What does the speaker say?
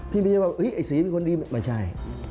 พี่ไม่เชื่อว่าสีเป็นคนดีไม่ใช่